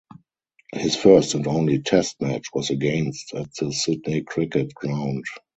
His first and only test match was against at the Sydney Cricket Ground.